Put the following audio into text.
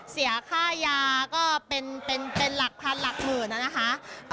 เสียค่ายาก็เป็นหลักพันหลักหมื่นนะคะ